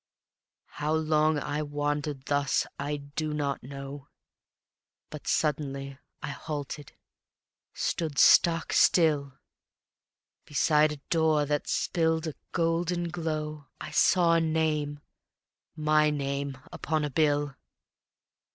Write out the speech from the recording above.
How long I wandered thus I do not know, But suddenly I halted, stood stock still Beside a door that spilled a golden glow I saw a name, my name, upon a bill.